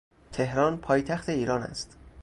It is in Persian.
تهران پایتخت ایران است.